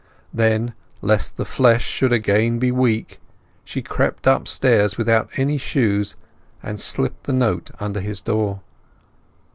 Then, lest the flesh should again be weak, she crept upstairs without any shoes and slipped the note under his door.